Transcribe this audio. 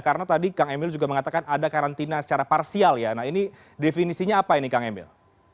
karena tadi kang emil juga mengatakan ada karantina secara parsial ya nah ini definisinya apa ini kang emil